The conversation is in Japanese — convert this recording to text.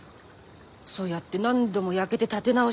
そうやって何度も焼けて建て直して。